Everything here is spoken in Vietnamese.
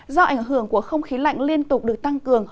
do ảnh hưởng của không khí lạnh liên tục được tăng cường